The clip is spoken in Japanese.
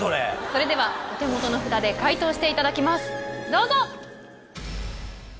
それではお手元の札で解答していただきますどうぞ！